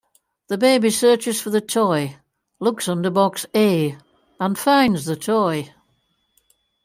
The baby searches for the toy, looks under box "A", and finds the toy.